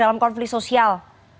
dalam konflik sosial